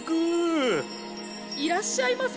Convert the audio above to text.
いらっしゃいませ。